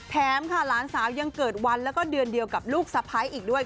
แถมค่ะหลานสาวยังเกิดวันแล้วก็เดือนเดียวกับลูกสะพ้ายอีกด้วย